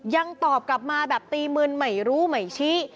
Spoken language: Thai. ยังตอบกลับมาแบบตีมึนไม่รู้ไม่ชี้